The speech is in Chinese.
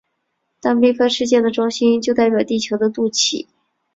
但并非世界的中心就代表地球的肚脐。